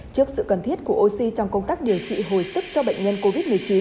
trước sự cần thiết của oxy trong công tác điều trị hồi sức cho bệnh nhân covid một mươi chín